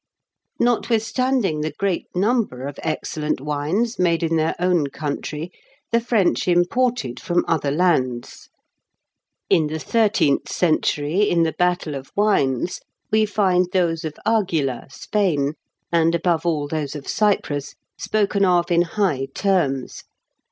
Notwithstanding the great number of excellent wines made in their own country, the French imported from other lands. In the thirteenth century, in the "Battle of Wines" we find those of Aquila, Spain, and, above all, those of Cyprus, spoken of in high terms.